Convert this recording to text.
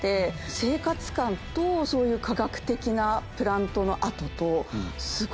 生活感とそういう化学的なプラントの跡と。